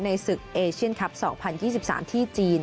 ศึกเอเชียนคลับ๒๐๒๓ที่จีน